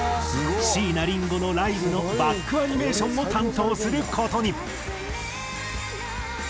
椎名林檎のライブのバックアニメーションを担当する事に。